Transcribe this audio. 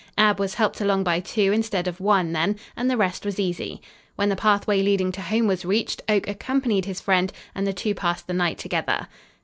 Ab was helped along by two instead of one then, and the rest was easy. When the pathway leading to home was reached, Oak accompanied his friend, and the two passed the night together.